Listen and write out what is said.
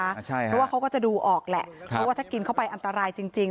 เพราะว่าเขาก็จะดูออกแหละเพราะว่าถ้ากินเข้าไปอันตรายจริง